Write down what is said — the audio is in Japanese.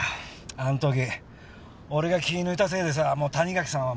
あの時俺が気抜いたせいでさもう谷垣さんは。